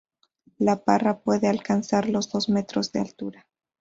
La parra puede alcanzar los dos metros de altura.